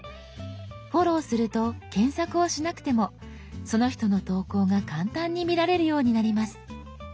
フォローすると検索をしなくてもその人の投稿が簡単に見られるようになります。